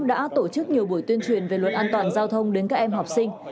đã tổ chức nhiều buổi tuyên truyền về luật an toàn giao thông đến các em học sinh